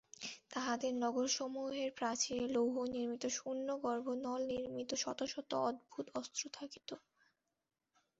তাঁহাদের নগরসমূহের প্রাচীরে লৌহনির্মিত শূন্যগর্ভ নলনির্মিত শত শত অদ্ভুত অস্ত্র থাকিত।